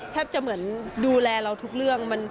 แทบจะเหมือนดูแลเราทุกเรื่อง